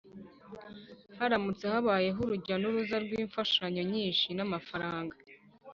haramutse habayeho urujya n'uruza rw'imfashanyo nyinshi n'amafaranga